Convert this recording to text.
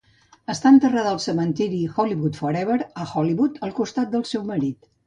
Està enterrada al cementiri Hollywood Forever, a Hollywood, al costat del seu marit.